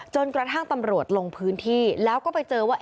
จนกระทั่งตำรวจลงพื้นที่แล้วก็ไปเจอว่า